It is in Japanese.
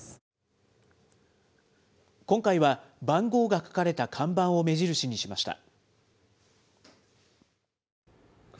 今回は、番号が書かれた看板を目印にしました。